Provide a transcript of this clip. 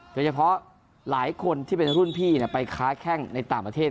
โดยเฉพาะหลายคนที่เป็นรุ่นพี่ไปค้าแข้งในต่างประเทศ